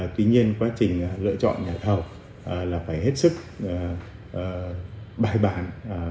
tuy nhiên quá trình lựa chọn nhà thầu là phải hết sức bài bản